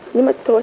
nhưng mà thôi